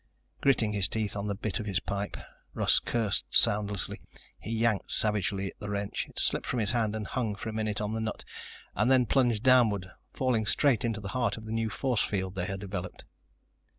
Gritting his teeth on the bit of his pipe, Russ cursed soundlessly. He yanked savagely at the wrench. It slipped from his hand, hung for a minute on the nut and then plunged downward, falling straight into the heart of the new force field they had developed.